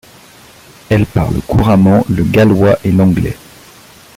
Elle parle couramment le gallois et l'anglais.